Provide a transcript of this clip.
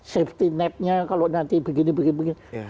safety netnya kalau nanti begini begini